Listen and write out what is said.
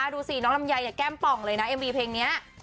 ดูสิน้องลำไยแก้มป่องเลยนะเอ็มวีเพลงนี้